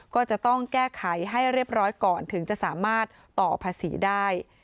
ก็จะต้องแก้ไขให้เรียบร้อยก่อนถึงจะสามารถต่อภาษีได้